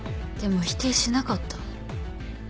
でも否定しなかった。